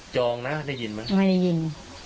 จองนะได้ยินไหมไม่ได้ยิน